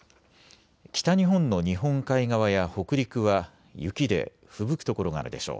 北日本の日本海側や北陸は雪でふぶく所があるでしょう。